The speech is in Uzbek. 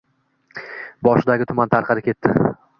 Boshidagi tuman tarqadi, ketdi.